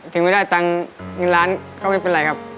ถึงไม่ได้ตังค์เงินล้านก็ไม่เป็นไรครับ